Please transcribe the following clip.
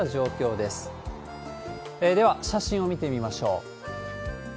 では、写真を見てみましょう。